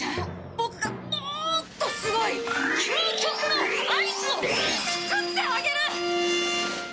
ボクがもっとすごい究極のアイスを作ってあげる！